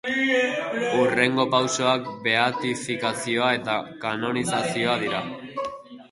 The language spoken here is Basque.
Hurrengo pausoak beatifikazioa eta kanonizazioa dira.